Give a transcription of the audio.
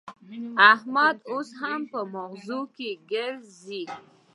احمد اوس په مغزي ګرزي.